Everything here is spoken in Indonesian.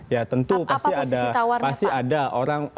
ya tentu pasti ada